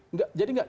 enggak jadi enggak